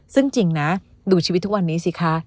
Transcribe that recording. ซึ่งจริงนะดูชีวิตทุกวันนี้สิคะ